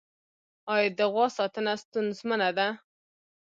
آیا د غوا ساتنه ستونزمنه ده؟